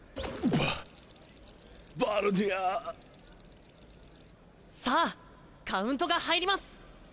ババルニャーさあカウントが入ります！